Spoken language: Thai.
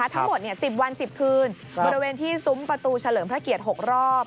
ทั้งหมด๑๐วัน๑๐คืนบริเวณที่ซุ้มประตูเฉลิมพระเกียรติ๖รอบ